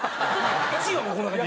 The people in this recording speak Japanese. １位はもうこんな感じ。